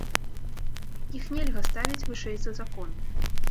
Іх нельга ставіць вышэй за закон.